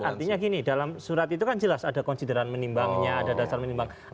artinya gini dalam surat itu kan jelas ada konsideran menimbangnya ada dasar menimbang